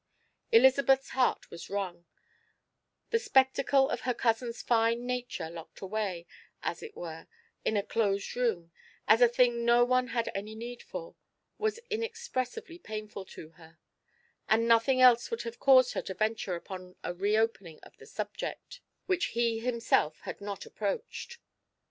Elizabeth's heart was wrung; the spectacle of her cousin's fine nature locked away, as it were, in a closed room, as a thing no one had any need for, was inexpressively painful to her, and nothing else would have caused her to venture upon a reopening of the subject which he himself had not approached.